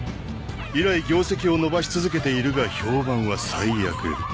以来業績を伸ばし続けているが評判は最悪。